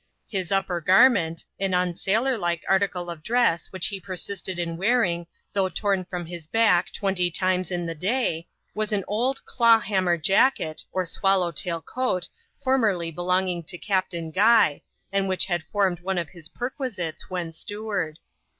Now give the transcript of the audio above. His upper garment *an unsailor like article of dress which he persisted in wearing, hough torn from his back twenty times in the day — was an Id "claw hammer jacket," or swallow tail coat, formerly be )nging to Captain Guy, and which had formed one of his lerquisites when steward.